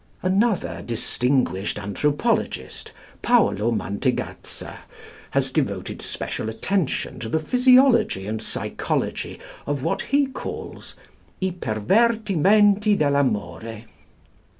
" Another distinguished anthropologist, Paolo Mantegazza, has devoted special attention to the physiology and psychology of what he calls "I pervertimenti dell'amore."